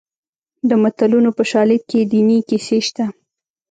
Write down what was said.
د متلونو په شالید کې دیني کیسې شته